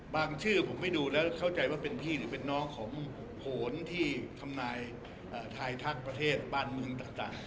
ชื่อผมไม่ดูแล้วเข้าใจว่าเป็นพี่หรือเป็นน้องของผลที่ทำนายทายทักประเทศบ้านเมืองต่าง